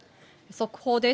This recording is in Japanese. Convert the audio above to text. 速報です。